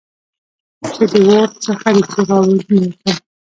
چې د ورد څخه د چېغو اوزونه راتلل.